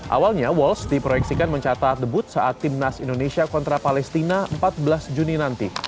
awalnya walsh diproyeksikan mencatat debut saat timnas indonesia kontra palestina empat belas juni nanti